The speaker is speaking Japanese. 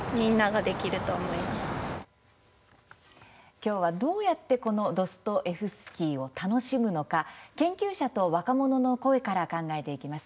きょうは、どうやってドストエフスキーを楽しむのか研究者と若者の声から考えます。